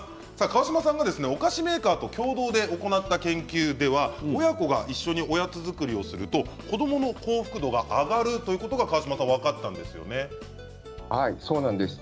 川島さんがお菓子メーカーと共同で行った研究では親子が一緒におやつ作りをすると子どもの幸福度が上がるというそうなんです。